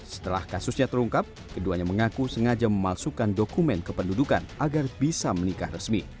setelah kasusnya terungkap keduanya mengaku sengaja memalsukan dokumen kependudukan agar bisa menikah resmi